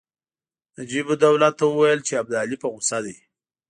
نجیب الدوله ته وویل چې ابدالي په غوسه دی.